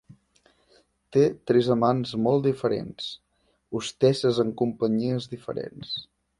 Té tres amants molt diferents, hostesses en companyies diferents.